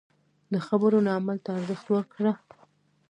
د خبرو نه عمل ته ارزښت ورکړه.